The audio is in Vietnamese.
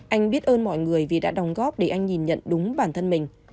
anh biết ơn mọi người vì đã đồng góp để anh nhìn nhận đúng bản thân mình